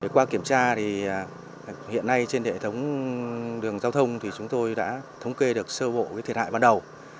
qua kiểm tra thì hiện nay trên hệ thống đường giao thông thì chúng tôi đã thống kê được sơ bộ thiệt hại ban đầu